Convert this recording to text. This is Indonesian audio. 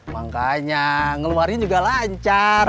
makanya ngeluarin juga lancar